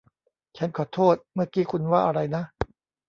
ฉันขอโทษ เมื่อกี้คุณว่าอะไรนะ